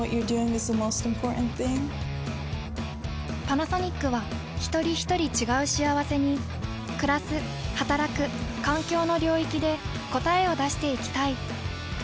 パナソニックはひとりひとり違う幸せにくらすはたらく環境の領域で答えを出していきたい。